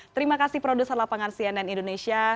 terima kasih produser lapangan cnn indonesia